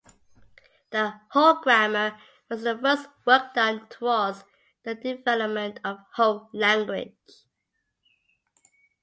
The Ho Grammar was the first work done towards the development of Ho language.